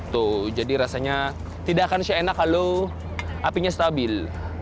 tuh jadi rasanya tidak akan seenak kalau apinya stabil